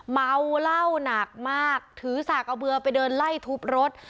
เมาเหล้าหนักมากถือสากเอาเบื่อไปเดินไล่ทุบรถ